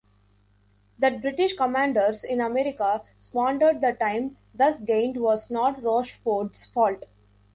That British commanders in America squandered the time thus gained was not Rochford's fault.